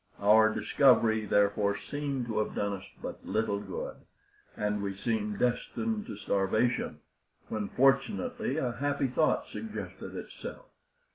Our discovery, therefore, seemed to have done us but little good, and we seemed destined to starvation, when fortunately a happy thought suggested itself.